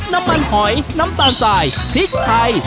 น้ำมันหอยน้ำตาลสายพริกไทย